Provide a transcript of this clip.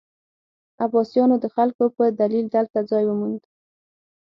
عباسیانو د خلکو په دلیل دلته ځای وموند.